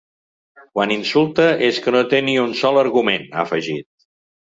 “Quan insulta és que no té ni un sol argument”, ha afegit.